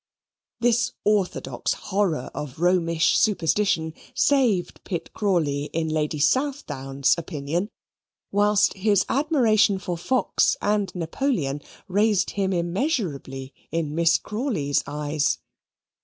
This orthodox horror of Romish superstition saved Pitt Crawley in Lady Southdown's opinion, whilst his admiration for Fox and Napoleon raised him immeasurably in Miss Crawley's eyes.